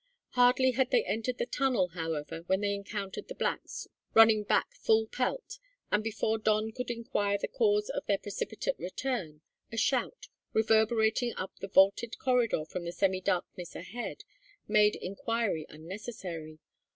Hardly had they entered the tunnel, however, when they encountered the blacks, running back full pelt; and before Don could inquire the cause of their precipitate return, a shout, reverberating up the vaulted corridor from the semi darkness ahead, made inquiry unnecessary.